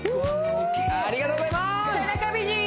ありがとうございます背中美人！